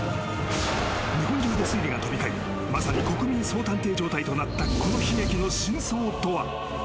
日本中で推理が飛び交いまさに国民総探偵状態となったこの悲劇の真相とは。